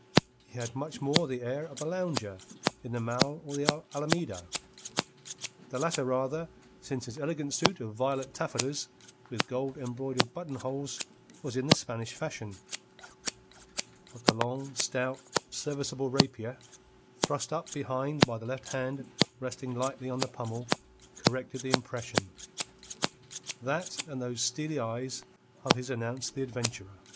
He had much more the air of a lounger in the Mall or the Alameda the latter rather, since his elegant suit of violet taffetas with gold embroidered button holes was in the Spanish fashion. But the long, stout, serviceable rapier, thrust up behind by the left hand resting lightly on the pummel, corrected the impression. That and those steely eyes of his announced the adventurer.